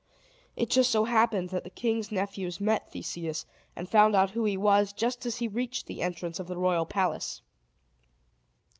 It so happened that the king's nephews met Theseus, and found out who he was, just as he reached the entrance of the royal palace.